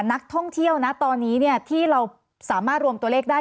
นักท่องเที่ยวนะตอนนี้ที่เราสามารถรวมตัวเลขได้